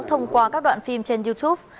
thông qua các đoạn phim trên youtube